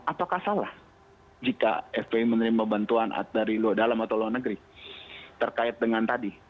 apakah salah jika fpi menerima bantuan dari dalam atau luar negeri terkait dengan tadi